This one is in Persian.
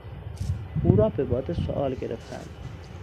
او را به باد سؤال گرفتند.